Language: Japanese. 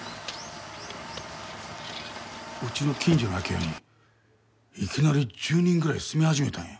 うちの近所の空き家にいきなり１０人ぐらい住み始めたんや。